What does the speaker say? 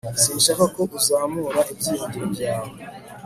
sinshaka ko uzamura ibyiringiro byawe